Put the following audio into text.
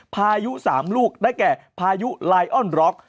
พายุ๓ลูกได้แก่พายุไลออนร็อก